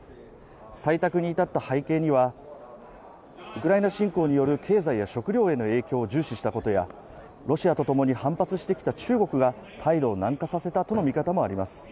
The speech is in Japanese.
採択に至った背景には、ウクライナ侵攻による経済や食料への影響を重視したことや、ロシアとともに反発してきた中国が態度を軟化させたとの見方もあります。